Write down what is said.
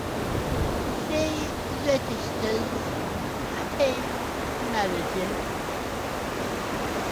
She registers happy marriages.